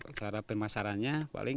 secara pemasarannya paling